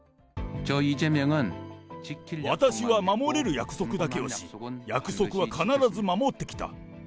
私は守れる約束だけをし、約束は必ず守ってきた。